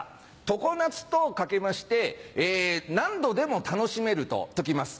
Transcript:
常夏と掛けまして何度でも楽しめると解きます。